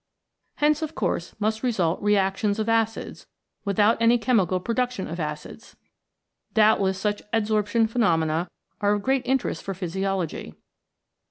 Hence, of course, must result reactions of acids, without any chemical production of acids. Doubtless such adsorption phenomena are of great interest for physiology.